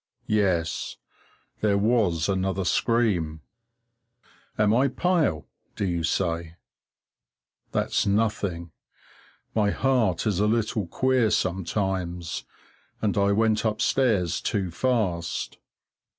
Yes, there was another scream. Am I pale, do you say? That's nothing. My heart is a little queer sometimes, and I went upstairs too fast.